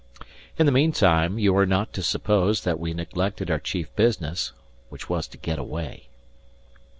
In the meanwhile, you are not to suppose that we neglected our chief business, which was to get away.